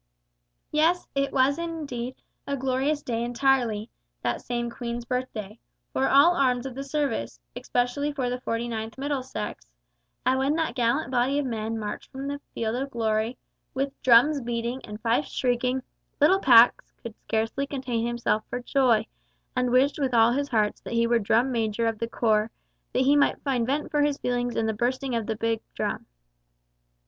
Yes, it was indeed a glorious day entirely, that same Queen's Birthday, for all arms of the service, especially for the 49th Middlesex; and when that gallant body of men marched from the field of glory, with drums beating and fifes shrieking, little Pax could scarcely contain himself for joy, and wished with all his heart that he were drum major of the corps, that he might find vent for his feelings in the bursting of the big drum.